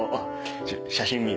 写真見る？